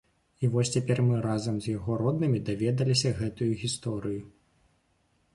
І вось цяпер мы, разам з яго роднымі, даведаліся гэтую гісторыю.